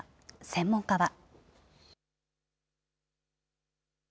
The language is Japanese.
専門家は。